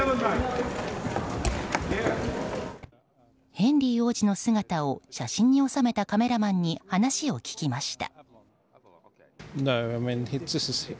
ヘンリー王子の姿を写真に収めたカメラマンに話を聞きました。